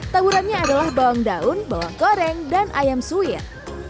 taburannya adalah bawang daun bawang goreng dan ayam suir